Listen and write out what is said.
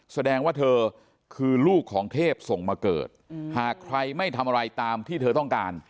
แสดงว่าเธอคือลูกของเทพส่งมาเกิดหากใครไม่ทำอะไรตามที่เธอต้องการ